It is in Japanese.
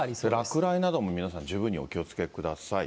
落雷なども、皆さん十分にお気をつけください。